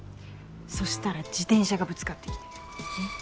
そしたら自転車がぶつかってきて。